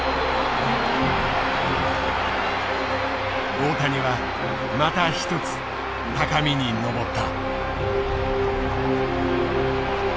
大谷はまた１つ高みに上った。